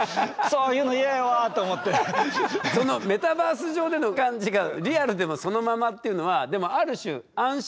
そのメタバース上での感じがリアルでもそのままっていうのはある種安心でもあるかなって。